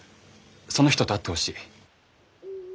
その人と会ってほしい。